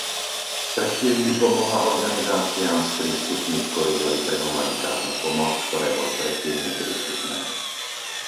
Taktiež by pomohla organizáciám sprístupniť koridory pre humanitárnu pomoc, ktoré boli predtým neprístupné.